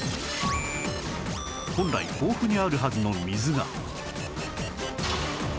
本来豊富にあるはずの水が